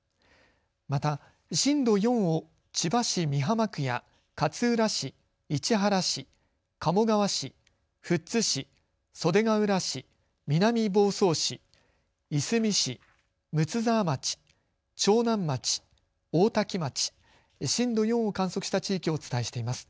また震度４を千葉市美浜区や勝浦市、市原市、鴨川市、富津市、袖ケ浦市、南房総市、いすみ市、睦沢町、長南町、大多喜町、震度４を観測した地域をお伝えしています。